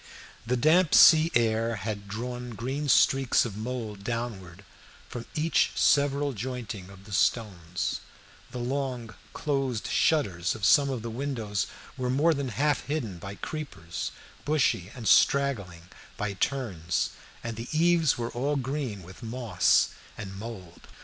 The damp sea air had drawn green streaks of mould downwards from each several jointing of the stones; the long closed shutters of some of the windows were more than half hidden by creepers, bushy and straggling by turns, and the eaves were all green with moss and mould.